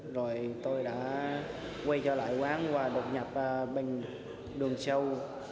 rồi tôi đã quay trở lại quán và đột nhập bên đường sâu